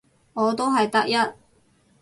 我都係得一